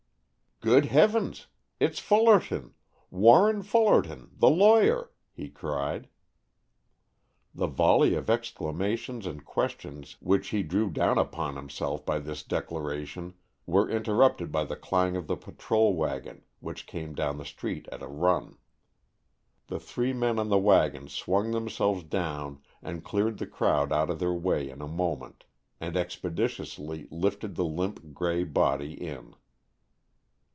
"Good heavens, it's Fullerton, Warren Fullerton, the lawyer," he cried. The volley of exclamations and questions which he drew down upon himself by this declaration were interrupted by the clang of the patrol wagon, which came down the street at a run. The three men on the wagon swung themselves down and cleared the crowd out of their way in a moment, and expeditiously lifted the limp gray body in.